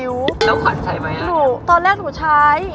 แล้วขวัญใช้ไหมหนูตอนแรกหนูใช้